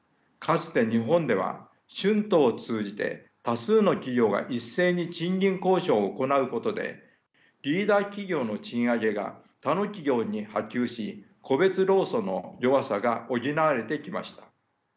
かつて日本では春闘を通じて多数の企業が一斉に賃金交渉を行うことでリーダー企業の賃上げが他の企業に波及し個別労組の弱さが補われてきました。